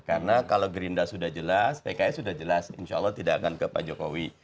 karena kalau greenerah sudah jelas pks sudah jelas insya allah tidak akan ke pak jokowi